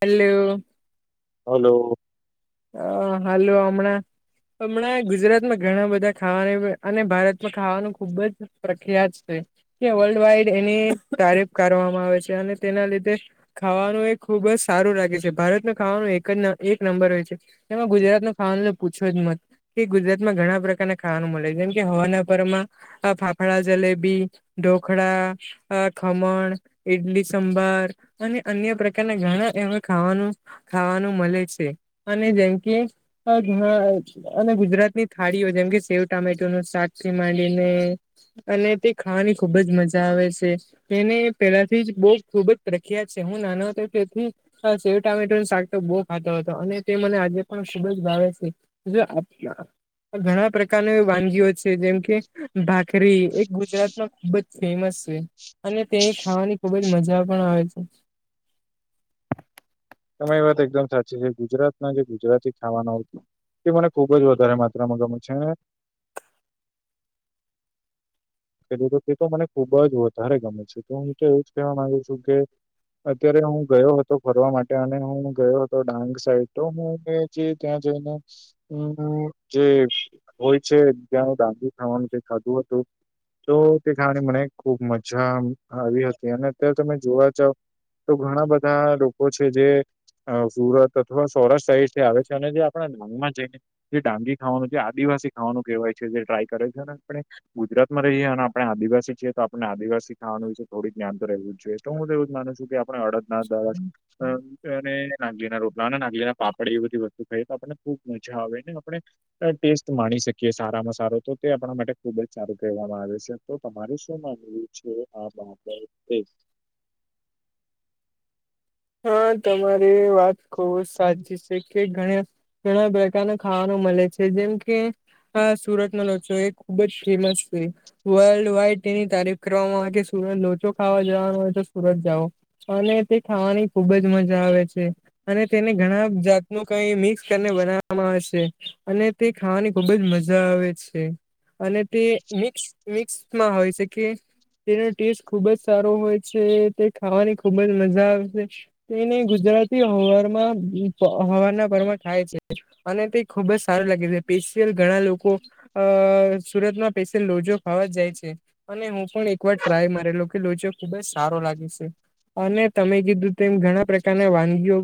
Hello. Hello. અ હાલો હમણાં. હમણાં ગુજરાત માં ઘણા બધા ખાવાના અને ભારતમાં ખાવાનું ખુબ જ. પ્રખ્યાત છે કે વર્લ્ડ વાઈડ એની તારીફ કરવામાં આવે છે અને તેના લીધે. ખાવાનું એ ખુબ જ સારું લાગે છે ભારતમાં ખાવાનું એક જ નથી એક નંબર હોય છે. એમાં ગુજરાત નું ખવાનું પૂછો જ મત. કે ગુજરાતમાં ઘણા પ્રકારના ખાવાનું મળે છે જેમ કે હવારના પોરમાં આ ફાફળા જલેબી ઢોકળા અ ખમણ ઈડલી સંભાર અને અન્ય પ્રકારના ઘણા એમાં ખાવાનું ખાવાનું મળે છે અને જેમકે [inaudible] અને ગુજરાતની થાળીઓ જેમ કે સેવ ટામેટુનુ શાક થી માંડીને અને તે ખાવાની ખુબ જ મજા આવે છે તેને પેલાથી જ બહુ ખુબ જ પ્રખ્યાત છે હું નાનો હતો ત્યાંથી. હા સેવ ટમેટાનુ શાક તો બહુ ખાતો હતો અને. તે મને આજે પણ ખુબ જ ભાવે છે જો આપણા. ઘણા પ્રકારની વાનગીઓ છે જેમ કે ભાખરી એ ગુજરાતમાં ખૂબ જ. ફેમસ છે અને તે ખાવાની ખુબ જ મજા પણ આવે છે. તમારી વાત એકદમ સાચી છે ગુજરાતના જે ગુજરાતી ખાવાના. એ મને ખુબ જ વધારે માત્રામાં ગમે છે અને. કહુ તો તે તો મને ખુબ જ વધારે ગમે છે તો હું તો એવું જ કહેવા માંગુ છું કે. અત્યારે હું ગયો હતો ફરવા માટે અને હું ગયો હતો ડાંગ સાઈડ તો હું કે જે ત્યાં જઈને હમ જે હોય છે ત્યાં ડાંગનુ ખાવાનું તે ખાધું હતું તો તે ખાવાની મને ખુબ મજા આવી હતી અને અત્યારે તમે જોવા જાવ તો ઘણા બધા લોકો છે જે અ સુરત અથવા સૌરાષ્ટ્ર સાઇડથી આવે છે અને જે આપડા ડાંગમાં જઈને જે ડાંંગી ખાવાનું જે આદિવાસી ખાવાનું કહેવાય છે જે ટ્રાય કરે છે ને આપને ગુજરા રહીએ અને આપડે આદિવાસી છીએ તો આપણને આદિવાસી ખાવાનું વિશે થોડીક જ્ઞાન તો રહેવુ જ જોઈએ તો હું તો એવું જ માનું છું કે આ પણ અડદના [inaudible] અ અને નાગલીના રોપલા અને નાગલીના પાપડ એ બધી વસ્તુ ખાઈએ તો આપણને ખુબ મજા આવે ને આપણે ટેસ્ટ માણી શકીએ સારામાં સારો તો તે આપણા માટે ખુબ જ સારું કહેવામાં આવે છે તો તમારે શું માનવું છે આ બાબતે હા તમારી વાત ખુબ જ સાચી છે કે ઘણા ઘણા પ્રકાર નું ખાવાનું મળે છે જેમ કે સુરત નો લોચો એક ખુબ જ ફેમસ છે વર્લ્ડ વાઈડ તેની તારીફ કરવામાં આવે કે સુરત લોચો ખાવા જવાનો હોય તો સુરત જાઓ અને તે ખાવાની ખુબ જ મજા આવે છે અને તેને ઘણા જાતનું કઈ મિક્સ કરીને બનાવવામાં આવે છે અને તે ખાવાની ખુબ જ મજા આવે છે અને તે મિક્સ મિક્સમાં હોય છે કે તેનો ટેસ્ટ ખુબ જ સારો હોય છે તે ખાવાની ખુબ જ મજા આવે છે તો એને ગુજરાતી હવામાં હવારના પોરમા ખાય છે અને તે ખુબ જ સારું લાગે છે સ્પેશિયલ ઘણા લોકો અ સુરતમાં સ્પેશિયલ લોચો ખાવા જાય છે અને હું પણ એક વાર ટ્રાય મારેલો કે લોચો ખુબ જ સારો લાગે છે અને તમે કીધું તેમ ઘણા પ્રકારના વાનગીઓ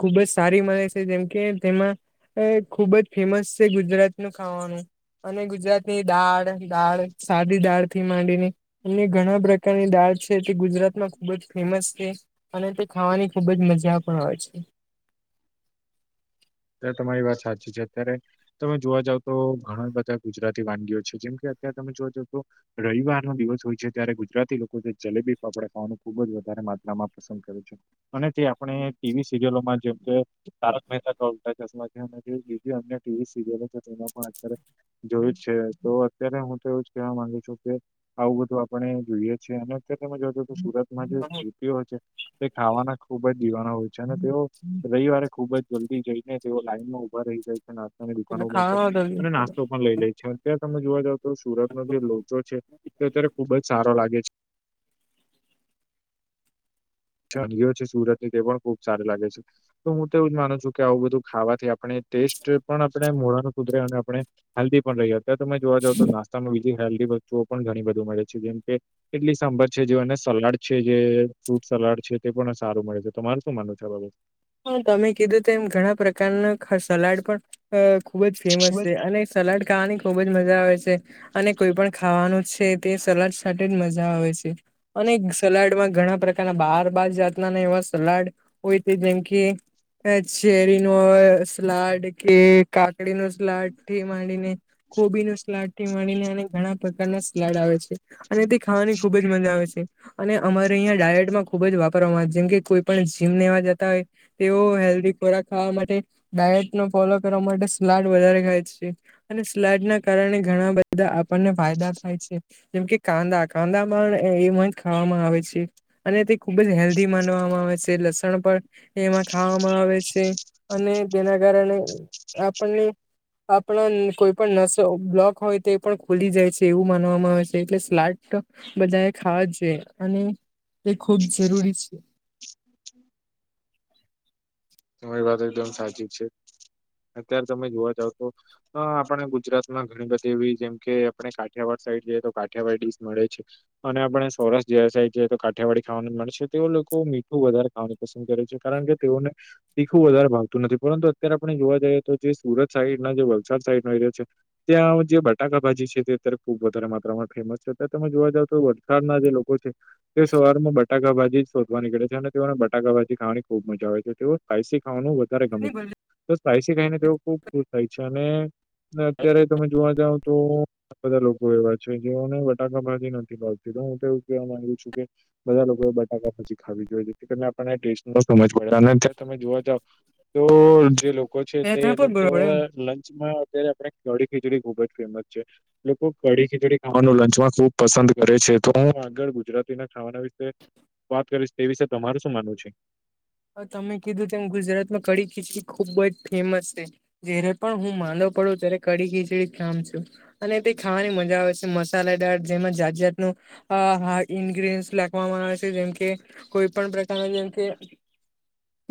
ખુબ જ સારી મળે છે જેમ કે તેમાં એ ખુબ જ ફેમસ છે ગુજરાતનું ખાવાનું અને ગુજરાતની દાળ દાળ સાદી દાળ થી માંડીને અને ઘણા પ્રકારની દાળ છે તે ગુજરાતમાં ખુબ જ ફેમસ છે અને તે ખાવાની ખુબ જ મજા પણ આવે છે ત્યારે તમારી વાત સાચી છે અત્યારે તમે જોવા જાવ તો ઘણા બધા ગુજરાતી વાનગીઓ છે જેમ કે અત્યારે તમે જોવા જાવ તો રવિવાર નો દિવસ હોય છે ત્યારે ગુજરાતી લોકો જલેબી ફાફડા ખાવાનું ખુબ જ વધારે માત્રામાં પસંદ કરે છે અને તે આપણે ટીવી સિરયલોમાં જેમ કે તારક મહેતા કા [unintelligible] જોયું જ છે તો અત્યારે હું તો એવું જ કેવા માંગુ છું કે આવું બધું આપણે જોઈએ છીએ અને અત્યારે તમે જોજો તો સુરતમાં જે સ્થિતિઓ છે ખાવાના ખુબ જ દિવાના હોય છે અને તેઓ રવિવારે ખુબ જ જલ્દી જઈને તેઓ લાઈનમાં ઉભા રહી જાય છે નાસ્તાની એટલે દુકાનોમાં પણ ખાવામાં અને નાસ્તો પણ લઈ લે છે. અત્યારે તમે જોવા જાવ તો સુરત નો જે લોચો છે તે અતારે ખુબ જ સારો લાગે છે. [unintelligible] ઓ છે સુરત ની તે પણ ખુબ સારી લાગે છે. તો હું તો એવું જ માનું છું કે આવું બધું ખાવાથી આપણે ટેસ્ટ પણ આપણે મોડાાનું સુધરે અને આપણે હેલ્ધી પણ રહી અત્યારે તમે જો જાવ તો નાસ્તામાં હેલ્દી વસ્તુઓ પણ ઘણી બધઘી મળે છે જેમ કેટલી સાંબર છે જે અને સલાડ છે જે સલાડ છે તે પણ સારું મળે છે તમારે શું માનવું છે બાબત માં હા તમે કીધું તેમ ઘણા પ્રકારના સલાડ પણ ખુબ જ ફેમસ છે અને સલાડ ખાવાની ખુબ જ મજા આવે છે અને કોઈ પણ ખાવાનું છે તે સલાડ સાથે જ મજા આવે છે અને સલાડમાં ઘણા પ્રકારના બાર બાર જાતના એવા સલાડ હોય જેમ કે કે અ ચેરી નો સલાડ કે કાકડી નું સલાડ થી માંડી ને કોબી નો સ્લાડ થી મળીને ઘણા પ્રકારના સ્લાડ આવે છે અને તે ખાવાની ખુબ જ મજા આવે છે. અને અમારે અહીંયા ડાયટમાં ખુબ જ વાપરવામાં આવે જેમ કે કોઈ પણ જીમ લેવા જતા હોય તેઓ હેલ્ધી ખોરાક ખાવા માટે ડાયટ નો ફોલો કરવા માટે સલાડ વધારે ખાય છે અને સલાડ ના કારણે ઘણા બ બધા આપણને ફાયદા થાય છે. જેમ કે કાંદા કાંદામાં એમાંય ખાવામાં આવે છે. અને તે ખૂબ જ હેલ્ધી માનવામાં આવે છે લસણ પણ એમાં ખાવામાં આવે છે અને તેના કારણે આપણને આપણા ન કોઈ પણ નસો બ્લોક હોય તો પણ ખુલી જાય છે એવું માનવામાં આવે છે એટલે સ્લાટ તો બધાં એ ખાવા જોઈએ અને તે ખૂબ જરૂરી છે. તમારી વાત એકદમ સાચી છે. અત્યારે તમે જોવા જાવ તો હ આપણને ગુજરાતમાં ઘણી બધી એવી જેમ કે આપણે કાઠિયાવાડ સાઈડ જઈએ તો કાઠિયાવાડી ડીશ મળે છે. અને આપણે સૌરાષ્ટ જયા સાઇડ એ તો કાઠિયાવાડી ખાવાનું મળશે તે લોકો મીઠું વધારે ખાવાનું પસંદ કરે છે કારણ કે તેઓને તીખું વધારે ભાવતું નથી પરંતુ અત્યારે આપણે જોવા જાઈએ તો જે સુરત સાઈડ ના જે વલસાડ સાઈડ નો એરિયા છે ત્યાં જે બટાકા ભાજી છે તે અત્યારે ખુબ વધારે માત્રામાં ફેમસ છે. અત્યારે તમે જોવા જાવ તો વલસાડના જે લોકો છે તે સવાર માં બટાકા ભાજી જ શોધવા નીકળે છે અને તેઓને બટાકા ભાજી ખાવાની ખુબ મજા આવે છે. તેઓ સ્પાઈસી ખાવાનું વધારે ગમે છે તો સ્પાઈસી ખાઈને તેઓ ખુબ ખુશ થાય છે અને ને અત્યારે તમે જોવા જાવ તો આ બધા લોકો એવા છે જેઓને બટાકા ભાજી નથી ભાવતી તો હું તો એવું કેવા માંગુ છું કે બધા લોકોએ બટાકા ભાજી ખાવી જોઈએ જેથી કરીને આપણને ટેસ્ટ નો સમજ પડે અને [unintelligible] તમે જોવા જાવ તો જે લોકો છે તે એ લોકો લંચમાં અત્યારે આપણે કડી ખીચડી ખુબ જ ફેમસ છે. લોકો કડી ખીચડી ખાવાનું લંચમાં ખુબ પસંદ કરે છે તો હું આગળ ગુજરાતી ના ખા વાના વિશે વાત કરીશ તે વિશે તમારું શું માનવું છે? હા તમે કીધું તેમ ગુજરાતમાં કડી ખીચડી ખુબ જ ફેમસ છે. જ્યારે પણ હું માંદો પડું ત્યારે કડી ખીચડી જ ખામ છું. અને તે ખાવાની મજા આવે છે. મસાલે દાર જેમાં જાત જાતનું આ હા ઇન્ગ્રીન્સ લાખવામાં આવે છે જેમકે કોઈ પણ પ્રકારના જેમકે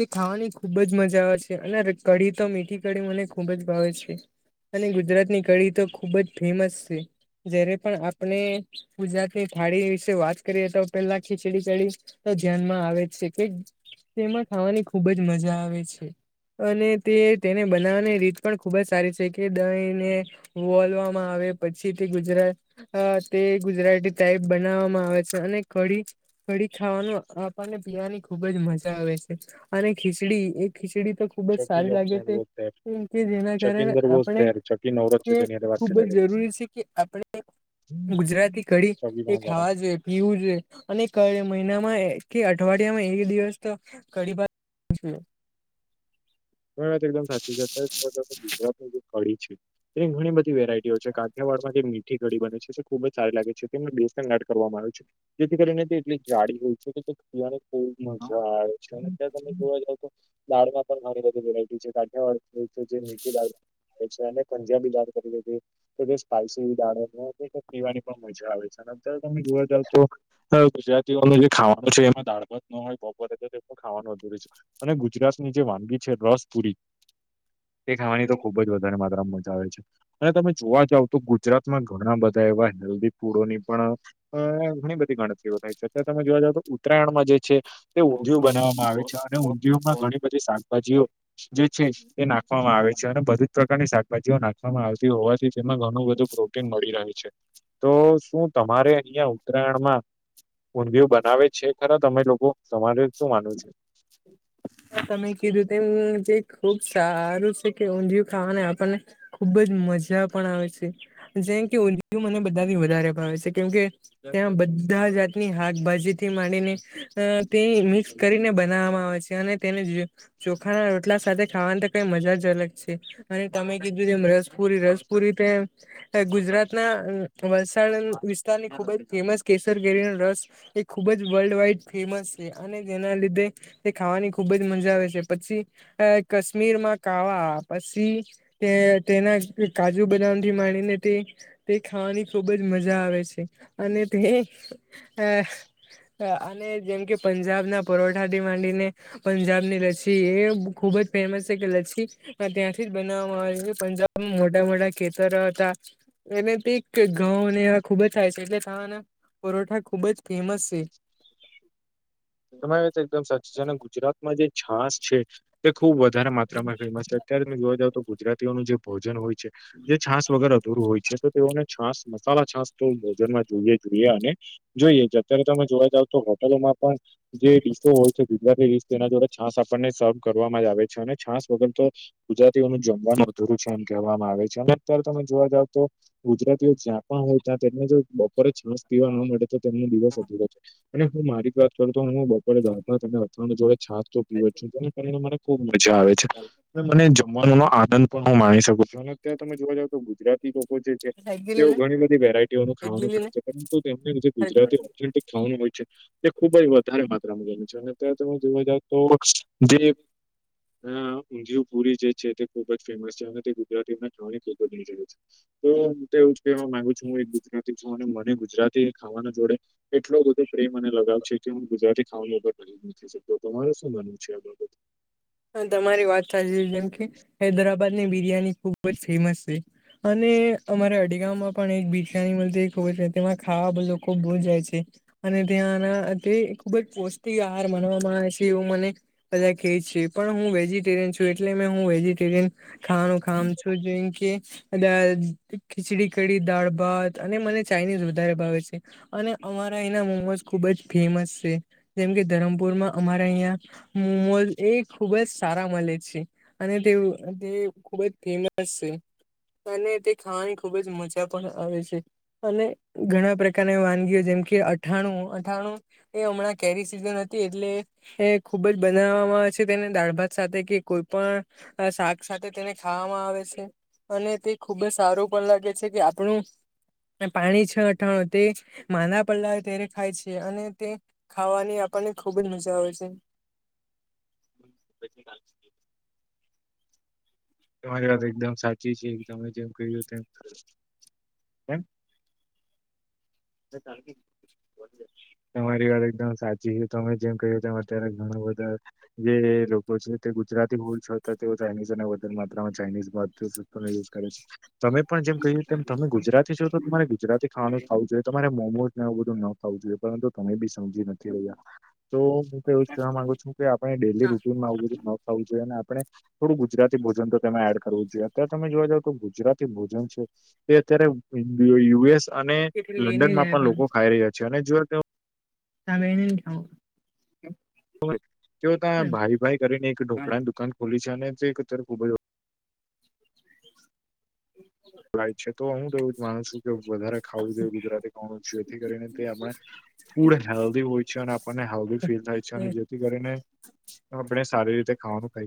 તે ખાવાની ખુબ જ મજા આવે છે અને કઢી તો મીઠી કઢી મને ખૂબ જ ભાવે છે. અને ગુજરાતની કઢી તો ખૂબ જ ફેમસ છે. જ્યારે પણ આપણે ગુજરાતની થાળી વિશે વાત કરીએ તો પેલાં ખીચડી કડી તો ધ્યાનમાં આવે જ છે કે તેમાં ખાવાની ખુબ જ મજા આવે છે અને તે તેને બનાવવાની રીત પણ ખુબ જ સારી છે કે દહીને વોલવામાં આવે પછી તે ગુજરાત હ તે ગુજરાતી ટાઈપ બનાવામાં આવે છે અને કઢી કળી ખાવાનું આપણને પીયાની ખુબ જ મજા આવે છે અને ખીચડી એ ખીચડી તો ખૂબ જ સારી લાગે છે કેમ કે જેના કારણે ચકિંદર વોઝ આપણે ચકી નવરો જ તે છે તેની હારે વાત ખૂબ કરે જ જરૂરી છે. કે આપણે ગુજરાતી કળી ચકી એ પાંજારા ખાવા જોઈએ, પીવું જોઈએ. અને કયા મહિનામાં કે અઠવાડિયામાં એક દિવસ તો કળી ભાત [unintelligible] તમારી વાત એકદમ સાચી છે [inaudible] ગુજરાતની જે કળી છે તેની ઘણી બધી વેરાયટીઓ છે કાઠિયાવાડમાં જે મીઠી કઢી બને છે ખુબ જ સારી લાગે છે. તેમાં બેસન એડ કરવામાં આવે છે. જેથી કરીને તે એટલી જાડી હોય છે. પીવાની ખુબ મજા આવે છે અને ત્યાં તમે જોવા જાવ તો બારમાં પણ મારી બીજી વેરાયટી છે કાઠિયાવાડ જે મીઠી દાળ પછી અને પંજાબી દાળ કરી દ કે જે સ્પાઈસી દાળ અને તે પીવાની મજા આવે છે અને અત્યારે તમે જોવા જાવ તો હ ગુજરાતીઓનું જે ખાવાનું છે એમાં દાળ ભાત ન હોય બપોરે ત તે પણ ખાવાનું અધુર છે. અને ગુજરાતની જે વાનગી છે રસપુરી તે ખાવાની તો ખુબ જ વધારે માત્રામાં મજા આવે છે. અને તમે જોવા જાવ તો ગુજરાતમાં ઘણાં બધાં એવા હેલ્ધી ફૂડોની પણ અ ઘણી બધી ગણતરીઓ થાય છે અત્યારે તમે જોવા જા તો ઉત્તરાયણમાં જે છે તે ઊંધિયું બનાવવામાં આવે છે અને ઊંધિયુંમા ઘણી બધી શાકભાજીઓ જે છે એ નાખવામાં આવે છે અને બધી જ પ્રકારની શાકભાજીઓ નાખવામાં આવતી હોવાથી તેમાં ઘણું બધું પ્રોટીન મળી રહ્યું છે. તો શું તમારે અહીયાં ઉત્તરાયણમાં ઊંધિયું બનાવે છે ખરા તમે લોકો તમારે શું માનવું છે. હા તમે કીધું તેમ જે ખુબ સારું સ જે કે ઊંધિયું ખાવાને આપણને ખુબ જ મજા પણ આવે છે. જેમ કે ઊંધિયું મને બધાં થી વધારે ભાવે છે કેમકે ત્યાં બધા જાતની શાકભાજીથી માંડીને તે મિક્સ કરીને બનાવામાં આવે છે અને તેને ચોખાના રોટલા સાથે ખાવાની તો કઈ મજા જ અલગ છે. અને તમે કીધું છે એમ રસપુરી, રસપુરી તે અ ગુજરાતના વલસાડ વિસ્તારની ખુબ જ ફેમસ કેસર કેરીનો રસ એ ખુબ જ વર્લ્ડ વાઈડ ફેમસ છે અને જેના લીધે તે ખાવાની ખુબ જ મજા આવે છે પછી કશ્મીર માં કાવા પછી તે તેના કાજુ બનાવથી માણીને તે તે ખાવાની ખુબ જ મજા આવે છે. અને તે અને જેમ કે પંજાબ ના પરોઠા તે માંડીને પંજાબની લસ્સી એ ખુબ જ ફેમસ છે કે લસ્સી હ ત્યાંથી જ બનાવવામાં આવે છે પંજાબ મોટાં મોટાં ખેતરો હતા એને તે કે ઘઉં ને એવા ખુબ જ થાય છે એટલે તાના પરોઠા ખુબ જ ફેમસ સે. તમારી વાત એકદમ સાચી છે અને ગુજરાતમાં જે છાસ છે. તે ખુબ વધારે માત્રામાં ફેમસ છે અત્યારે તમે જોવા જાવ તો ગુજરાતીઓનું જે ભોજન હોય છે. જે છાસ વગેરે અધૂરું હોય છે તો તેઓને છાસ મસાલા છાસ તો ભોજનમાં જોઈએ જોઈએ અને જોઈએ. અત્યારે તમે જોવા જાવ તો હોટલોમાં પણ જે ડિશો હોય છે. ગુજરાતી તેના જોડે છાસ આપણને સર્ કરવામાં જ આવે છે અને છાસ વગર તો ગુજરાતીઓનું જમવાનું અધુરું છે એમ કહેવામાં આવે છે અને અત્યારે તમે જોવા જાવ તો ગુજરાતીઓ જ્યાં પણ હોય ત્યાં તેમને જો બપોરે છાસ પીવા ન મળે તો તેમનો દિવસ અને હું મારી વાત તો હું બપોરે ગમે પણ અથાણું જોડે છાશ તો પીવું છું તેના કારણે મારે મજા આવે છે. મને જમવાનોનો આનંદ હું માણી શકું છું અને અત્યારે તમે જોવા જાવ તો ગુજરાતી લોકો જે તેઓ છે ઘણી બધી વેરાયટીઓનું ખાવાનું ખાય છે. પરંતુ તેમને જે ગુજરાતી ખાવાનું હોય છે. તે ખુબ જ વધારે માત્રામાં રહે છે અને અત્યારે તમે જોવા જઓ તો જે ઊંધિયું પુરી જે છે તે ખૂબ જ ફેમસ છે અને તે ગુજરાતીમાં જોની ખૂબ જ છે. તો હું તો એવું જ કહેવા માંગુ છું. હું એક ગુજરાતી છું અને મને ગુજરાતી ખાવાના જોડે એટલો બધો પ્રેમ અને લગાવ છે કે હું ગુજરાતી ખાવાની ઉપર કરી જ નથી શકતો તમારે શું માનવું છે? આ બાબત હ, તમારી વાત સાચી છે. જેમ કે હૈદરાબાદની બિરયાની ખુબ જ ફેમસ છે. અને અમારે અડીગામમાં પણ એક ભિખારી તેમાં ખાવા બધું ખૂબ બુ જાય છે. અને ત્યાંના તે ખુબ જ પૌષ્ટિક આહાર માનવામાં આવે છે. એવું મને- બધા કહે છે પણ હું વેજીટેરિયન છું એટલે મે હું વેજીટેરિયન. ખાવાનું કામ છું જે કે ખીચડી કઢી, દાળ ભાત અને મને ચાઇનીઝ વધારે ભાવે છે. અને અમારા અેના મોમોઝ ખુબ જ ફેમસ છે જેમ કે ધરમપુરમાં અમારા અહીયા મુમોઝ એક ખુબ જ સારા મળે છે અને તે તે ખૂબ જ ફેમસ છે. અને તે ખાવાની ખુબ જ મજા પણ આવે છે. અને ઘણા પ્રકારની વાનગીઓ, જેમ કે અઠાણું, અઠાણું એ હમણાં કેરી સિઝન હતી એટલે એ ખુબ જ બનાવવામાં છે. તેને દાળ ભાત સાથે કે કોઈ પણ શાક સાથે તેને ખાવામાં આવે છે. અને તે ખુબ જ સારું પણ લાગે છે કે આપણું પાણીછા અથાણું તે જ માદા પડેલા હોય ત્યારે ખાય છે અને તે-ૂ ખાવાની આપણને ખુબ જ મજા આવે છે. [inaudible] તમારી વાત એકદમ સાચી છે. એક તમે જેમ ક્યું તેમ કર [unintelligible] તમારી વાત એકદમ સાચી છે. તમે જેમ કહ તેમ અત્યારે ઘણા બધા જે લોકો છે તે ગુજરાતી બોલ છતા તેઓ ચાઇનીઝ અને વધારે માત્રામાં ચાઇનીઝ યુઝ કરે તમે પણ જેમ કહ્યું તેમ, તમે ગુજરાતી છો તો તમારે ગુજરાતી ખાવાનું ખાવું જોઈએ. તમારે મોમોઝને એવું બધું ન ખાવું જોઈએ, પરંતુ તમે બી સમજી નથી રહ્યા તો એવું કહેવા માંગુ છું કે આપણે ડેલી રૂન થવું જોઈએ અને આપણે- થોડું ગુજરાતી ભોજન તો તેમે એડ કરવું જોઈએ. અત્યારે તમે જોવા જાવ તો ગુજરાતી ભોજન છે તે અત્યારે યુએસ અને લઈને લંડનમાં જાય પણ લોકો ખાઈ રહ્યા છે અને જો તમે ની ખાવ? તો ત્યા ભાઈ ભાઈ કરીને એક ઢોકળાની દુકાન ખોલી છે અને તેત ખુબ જ [inaudible] ખાય છે તો હું, તો એવું જ માનું છું કે વધારે ખાવું જોઈએ. ગુજરાતી કોણું એથી કરીને તે આપણે ફૂડ હેલ્ધી હોય છે અને આપણને હેલ્ધી ફીલ થાય છે અને જેથી કરીને આપણે સારી રીતે ખાવાનું ખાઈએ.